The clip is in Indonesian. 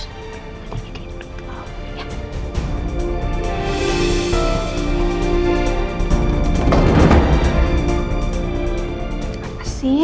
padahal dia di situ